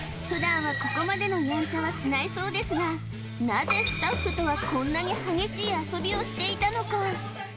普段はここまでのやんちゃはしないそうですがなぜスタッフとはこんなに激しい遊びをしていたのか？